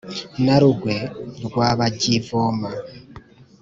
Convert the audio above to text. na rugwe rwa bajyivoma.